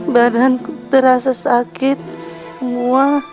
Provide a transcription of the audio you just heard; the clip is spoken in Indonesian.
badan ku terasa sakit semua